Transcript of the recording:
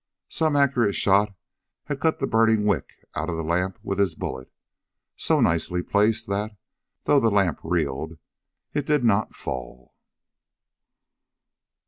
Some accurate shot had cut the burning wick out of the lamp with his bullet, so nicely placed that, though the lamp reeled, it did not fall.